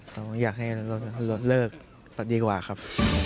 ผมอยากให้ลดเลิกกว่าครับ